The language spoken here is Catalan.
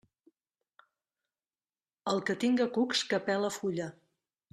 El que tinga cucs que pele fulla.